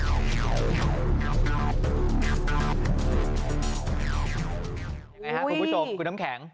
โอ้ยนี่ไหมคุณผู้โจมตัวคุณน้ำแข็ง